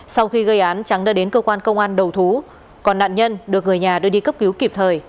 sau khi gây án trắng đã đến cơ quan công an đầu thú còn nạn nhân được người nhà đưa đi cấp cứu kịp thời